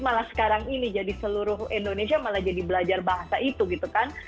malah sekarang ini jadi seluruh indonesia malah jadi belajar bahasa itu gitu kan